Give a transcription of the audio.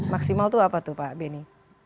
maksimal itu apa tuh pak beni